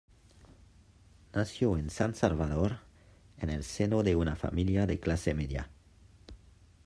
Nació en San Salvador, en el seno de una familia de clase media.